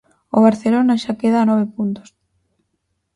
O Barcelona xa queda a nove puntos.